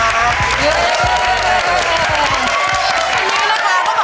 เย้